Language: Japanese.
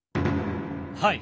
はい。